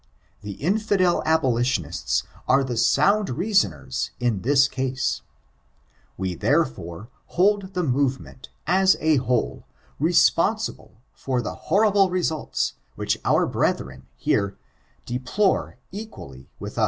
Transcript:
The infidel abolitionists are the sound reasonen in this case. We, therefore, hold the macementt as a whole, responsible for the horrible results which our brethren, here, deplore equally with us.